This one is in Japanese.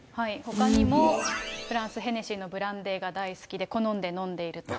フランス、ヘネシーのブランデーが大好きで、好んで飲んでいると。